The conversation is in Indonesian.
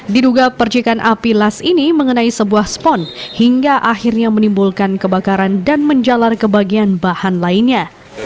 diduga percikan api las ini mengenai sebuah spon hingga akhirnya menimbulkan kebakaran dan menjalar ke bagian bahan lainnya